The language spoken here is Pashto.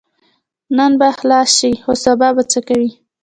نن به خلاص شې خو سبا به څه کوې؟